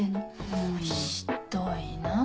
もうひっどいな。